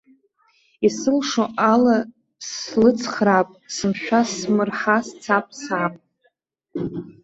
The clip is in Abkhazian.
Исылшо ала слыцхраап, сымшәа-смырҳа сцап, саап.